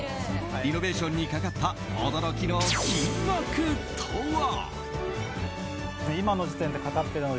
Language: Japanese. リノベーションにかかった驚きの金額とは？